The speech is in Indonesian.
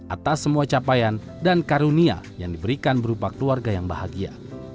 atas semua capaian dan karunia yang diberikan berupa keluarga yang bahagia